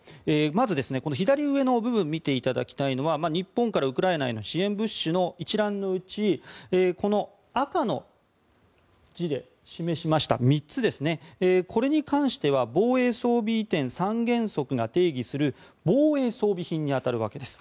まず、左上の部分を見ていただきたいのは日本からウクライナへの支援物資の一覧のうちこの赤の字で示した３つこれに関しては防衛装備移転三原則が定義する防衛装備品に当たるわけです。